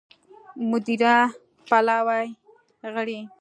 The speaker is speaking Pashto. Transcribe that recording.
مدیره پلاوي غړي